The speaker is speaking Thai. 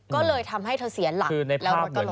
ก็เลยทำให้เธอเสียหลักแล้วรถก็ล้ม